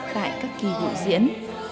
tại các kỳ biểu diễn